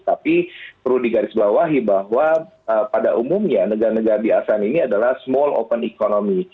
tapi perlu digarisbawahi bahwa pada umumnya negara negara di asean ini adalah small open economy